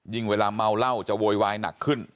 เวลาเมาเหล้าจะโวยวายหนักขึ้น